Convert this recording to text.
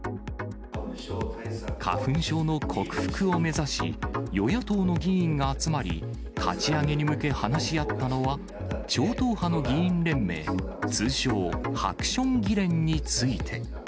花粉症の克服を目指し、与野党の議員が集まり、立ち上げに向け話し合ったのは、超党派の議員連盟、通称、ハクション議連について。